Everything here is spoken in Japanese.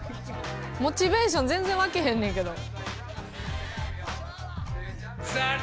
モチベーション全然わけへんねんけど。